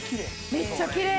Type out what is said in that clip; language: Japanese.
めっちゃきれい。